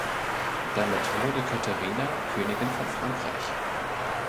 Damit wurde Caterina Königin von Frankreich.